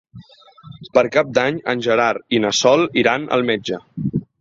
Per Cap d'Any en Gerard i na Sol iran al metge.